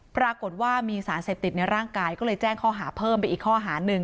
ปรากฏว่ามีสารเสพติดในร่างกายก็เลยแจ้งข้อหาเพิ่มไปอีกข้อหาหนึ่ง